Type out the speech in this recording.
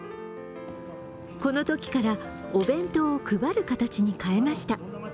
このときからお弁当を配る形に変えました。